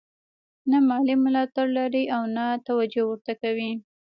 نه مالي ملاتړ لري او نه توجه ورته کوي.